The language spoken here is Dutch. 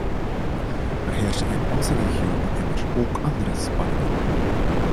Er heersen in onze regio nu immers ook andere spanningen.